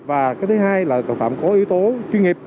và cái thứ hai là tội phạm có yếu tố chuyên nghiệp